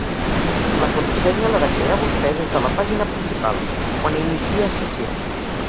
La contrasenya l'ha de crear vostè des de la pàgina principal, quan inicia sessió.